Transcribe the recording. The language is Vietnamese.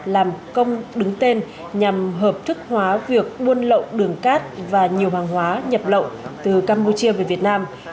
làm công đứng tên nhằm hợp thức hóa việc buôn lậu đường cát và nhiều hàng hóa nhập lậu từ campuchia về việt nam